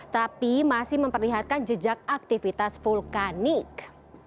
tapi masih memperlihatkan jejak aktivitas vulkanik